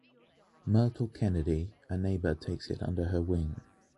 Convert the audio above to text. Myrtle Kennedy, a neighbor, takes it under her wing.